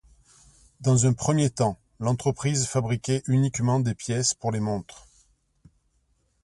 Dans un premier temps, l'entreprise fabriquait uniquement des pièces pour les montres.